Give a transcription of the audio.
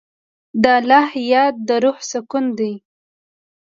د الله یاد د روح سکون دی.